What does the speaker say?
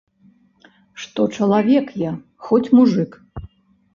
Што чалавек я, хоць мужык.